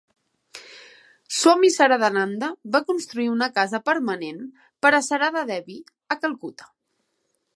Swami Saradananda va construir una casa permanent per a Sarada Devi a Calcuta.